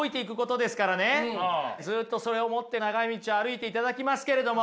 ずっとそれを持って長い道を歩いていただきますけれども。